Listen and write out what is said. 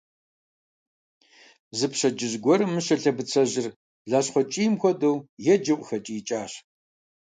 Зы пщэдджыжь гуэрым Мыщэ лъэбыцэжьыр, блащхъуэ кӀийм хуэдэу еджэу къыхэкӀиикӀащ.